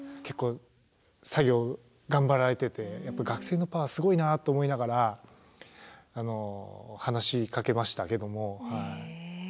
結構作業頑張られてて学生のパワーすごいなと思いながら話しかけましたけども。